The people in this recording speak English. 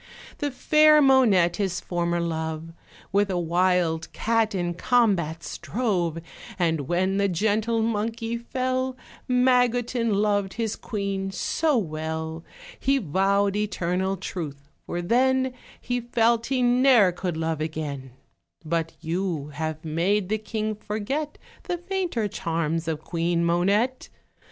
The fair Monette, his former love, With a wild cat in combat strove; And when the gentle monkey fell, Magotin loved his queen so well, He vowed eternal truth for then, He felt he ne'er could love again; But you have made the king forget The fainter charms of Queen Monette.